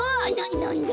なんだ？